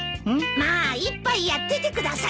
まあ一杯やっててください。